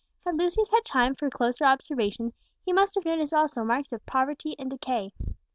Had Lucius had time for closer observation, he must have noticed also marks of poverty and decay.